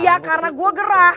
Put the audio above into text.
iya karena gue gerak